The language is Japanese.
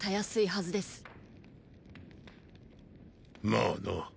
まあな。